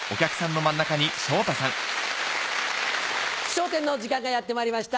『笑点』の時間がやってまいりました。